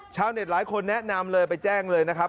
ชาวเน็ตหลายคนแนะนำเลยไปแจ้งเลยนะครับ